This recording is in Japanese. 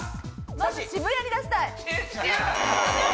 渋谷に出したい。